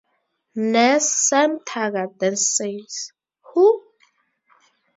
Nurse Sam Taggart then says, Who?